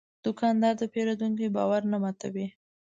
دوکاندار د پېرودونکي باور نه ماتوي.